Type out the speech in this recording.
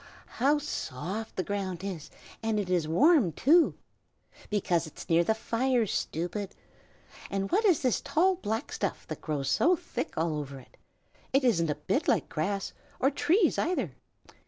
"How soft the ground is! and it is warm, too!" "Because it is near the fire, stupid!" "And what is this tall black stuff that grows so thick all over it? It isn't a bit like grass, or trees either."